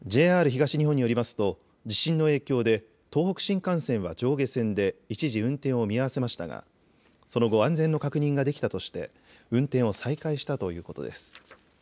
ＪＲ東日本によりますと地震の影響で東北新幹線は上下線で一時、運転を見合わせましたがその後、安全の確認ができたとして運転を再開したということです。